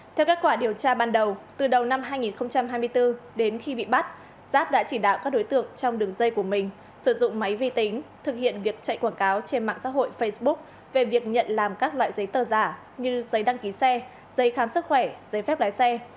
theo kết quả điều tra ban đầu từ đầu năm hai nghìn hai mươi bốn đến khi bị bắt giáp đã chỉ đạo các đối tượng trong đường dây của mình sử dụng máy vi tính thực hiện việc chạy quảng cáo trên mạng xã hội facebook về việc nhận làm các loại giấy tờ giả như giấy đăng ký xe giấy khám sức khỏe giấy phép lái xe